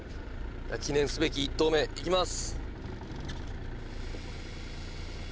記念すべき１投目いきます！